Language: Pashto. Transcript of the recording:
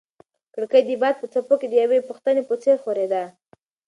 کړکۍ د باد په څپو کې د یوې پوښتنې په څېر ښورېده.